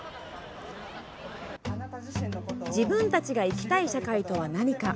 自分たちが生きたい社会とは何か？